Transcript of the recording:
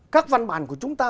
các văn bản của chúng ta